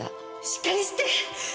しっかりして！